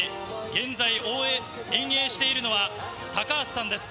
現在、遠泳しているのは高橋さんです。